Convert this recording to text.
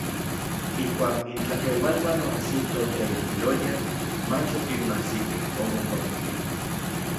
Ijkuak intlakeualuan oajsitoj teilpiloyan, mach okinmajsikej, omokuapkej.